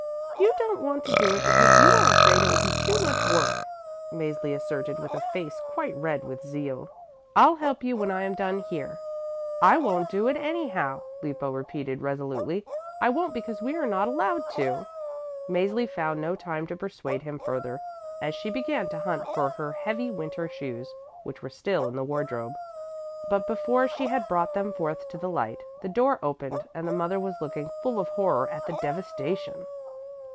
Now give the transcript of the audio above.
"You don't want to do it because you are afraid it will be too much work," Mäzli asserted with a face quite red with zeal. "I'll help you when I am done here." "I won't do it anyhow," Lippo repeated resolutely; "I won't because we are not allowed to." Mäzli found no time to persuade him further, as she began to hunt for her heavy winter shoes, which were still in the wardrobe. But before she had brought them forth to the light, the door opened and the mother was looking full of horror at the devastation.